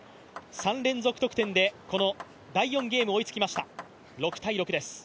３連続得点でこの第４ゲーム追いつきました。